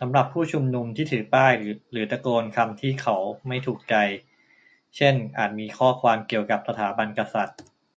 สำหรับผู้ชุมนุมที่ถือป้ายหรือตะโกนคำที่เขาไม่ถูกใจ เช่น อาจมีข้อความเกี่ยวกับสถาบันกษัตริย์